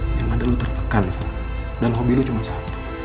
yang ada lo tertekan sa dan hobi lo cuma satu